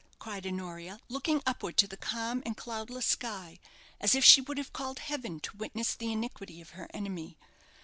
cried Honoria, looking upward to the calm and cloudless sky, as if she would have called heaven to witness the iniquity of her enemy.